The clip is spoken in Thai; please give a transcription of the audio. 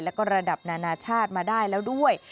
แล้วก็ระดับนานาชาติมาได้แล้วด้วย